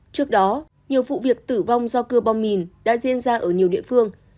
trước đó nhiều vụ việc tử vong do cưa bom mìn đã diễn ra ở nhiều địa phương